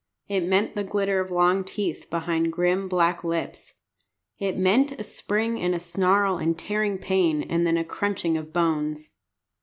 It meant the glitter of long teeth behind grim black lips. It meant a spring and a snarl and tearing pain, and then a crunching of bones.